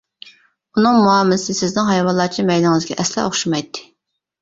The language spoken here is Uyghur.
ئۇنىڭ مۇئامىلىسى سىزنىڭ ھايۋانلارچە مەيلىڭىزگە ئەسلا ئوخشىمايتتى.